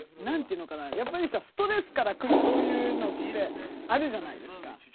何ていうのかなやっぱりさストレスからくるそういうのってあるじゃないですか。